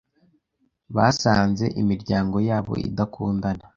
Basanze imiryango yabo idakundana.